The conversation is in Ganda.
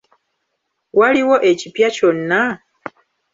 Waliwo ekipya kyonna?